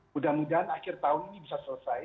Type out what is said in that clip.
mudah mudahan akhir tahun ini bisa selesai